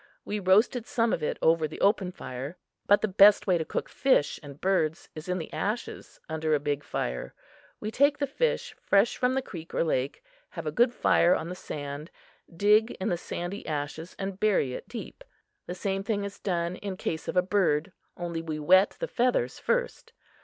We roasted some of it over the open fire. But the best way to cook fish and birds is in the ashes, under a big fire. We take the fish fresh from the creek or lake, have a good fire on the sand, dig in the sandy ashes and bury it deep. The same thing is done in case of a bird, only we wet the feathers first.